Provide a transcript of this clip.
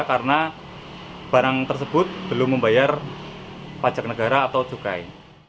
karena barang tersebut belum membayar pajak negara atau cukai